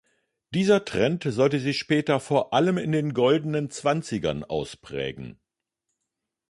Dieser Trend sollte sich später vor allem in den „Goldenen Zwanzigern“ ausprägen.